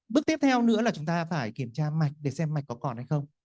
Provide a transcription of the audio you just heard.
bước tiếp theo nữa là chúng ta phải kiểm tra mạch để xem mạch có còn hay không